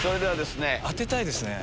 当てたいですね。